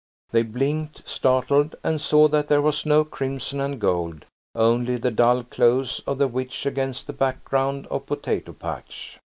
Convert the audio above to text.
They blinked, startled, and saw that there was no crimson and gold, only the dull clothes of the witch against the background of potato patch.